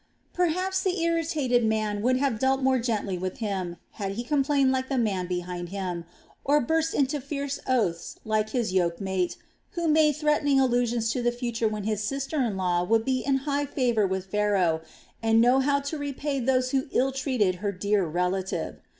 Perhaps the irritated man would have dealt more gently with him, had he complained like the man behind him, or burst into fierce oaths like his yoke mate, who made threatening allusions to the future when his sister in law would be in high favor with Pharaoh and know how to repay those who ill treated her dear relative.